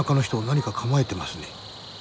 何か構えてますね。